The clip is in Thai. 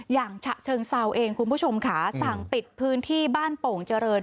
ฉะเชิงเซาเองคุณผู้ชมค่ะสั่งปิดพื้นที่บ้านโป่งเจริญ